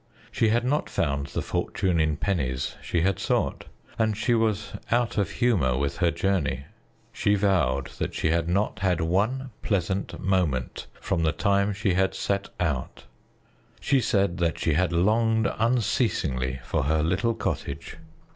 She had not found the fortune in pennies she had sought, and she was out of humor with her journey. She vowed she had not had one pleasant moment from the time she had set out; she said that she had longed unceasingly for her little cottage.